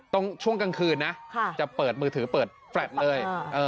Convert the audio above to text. ช่วงกลางคืนนะจะเปิดมือถือเปิดแฟลตเลย